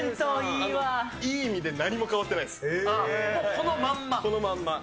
このまんま。